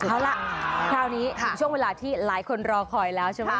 เอาล่ะคราวนี้ถึงช่วงเวลาที่หลายคนรอคอยแล้วใช่ไหม